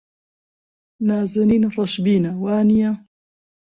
نازەنین ڕەشبینە، وانییە؟